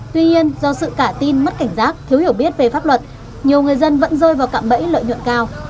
tuy nhiên do sự cả tin mất cảnh giác thiếu hiểu biết về pháp luật nhiều người dân vẫn rơi vào cạm bẫy lợi nhuận cao